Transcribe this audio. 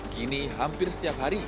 kini hampir setiap hari